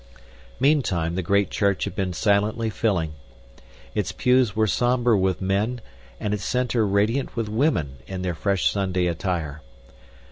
Meantime the great church had been silently filling. Its pews were somber with men and its center radiant with women in their fresh Sunday attire.